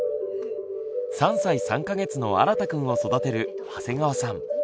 ３歳３か月のあらたくんを育てる長谷川さん。